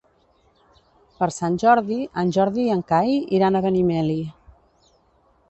Per Sant Jordi en Jordi i en Cai iran a Benimeli.